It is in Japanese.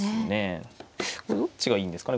どっちがいいんですかね。